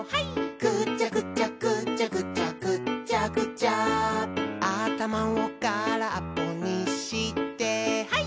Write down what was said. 「ぐちゃぐちゃぐちゃぐちゃぐっちゃぐちゃ」「あたまをからっぽにしてハイ！」